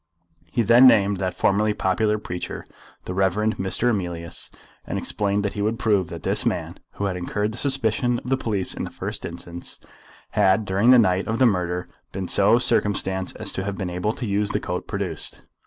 He then named that formerly popular preacher, the Rev. Mr. Emilius, and explained that he would prove that this man, who had incurred the suspicion of the police in the first instance, had during the night of the murder been so circumstanced as to have been able to use the coat produced.